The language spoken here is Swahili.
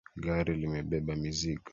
Gari limebeba mizigo.